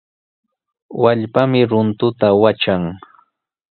Wallpami runtuta watran.